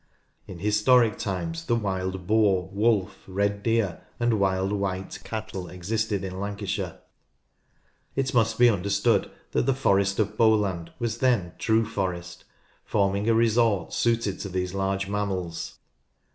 In historic times the wild boar, wolf, red deer, and wild white cattle existed in Lancashire. It must be understood that the Forest of Bowland was then true forest, forming a resort suited to these large mammals.